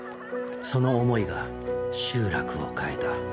その思いが集落を変えた。